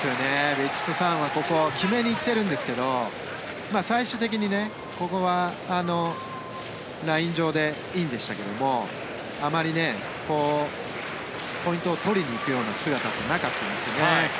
ヴィチットサーンはここ、決めに行ってるんですが最終的にここはライン上でインでしたけどもあまりポイントを取りに行くような姿ってなかったんですよね。